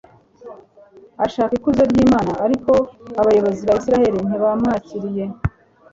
ashaka ikuzo ry’imana ; ariko abayobozi ba isiraheli ntibamwakiriye